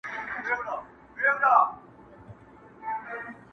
که هر څو ښراوي وکړې زیارت تاته نه رسیږي!.